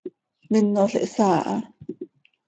Minol ihsaa aha.